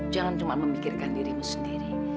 jangan cuma memikirkan dirimu sendiri